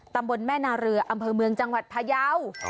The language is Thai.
ตำบลแม่นาเรืออำเภอเมืองจังหวัดพยาว